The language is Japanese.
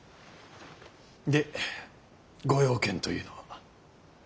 でご用件というのは。